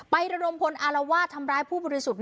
ระดมพลอารวาสทำร้ายผู้บริสุทธิ์